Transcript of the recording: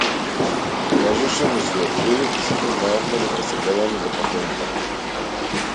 Лежеше во својот кревет и сите знаевме дека се гледаме за последен пат.